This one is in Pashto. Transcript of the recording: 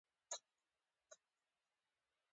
په برق نیول شوي